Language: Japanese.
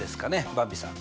ばんびさん。